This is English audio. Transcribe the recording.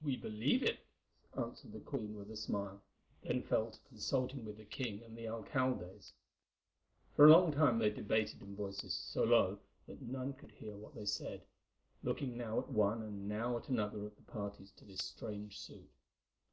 "We believe it," answered the queen with a smile, then fell to consulting with the king and the alcaldes. For a long time they debated in voices so low that none could hear what they said, looking now at one and now at another of the parties to this strange suit.